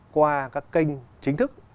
qua các kênh chính thức